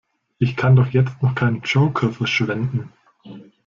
Ich kann doch jetzt noch keinen Joker verschwenden!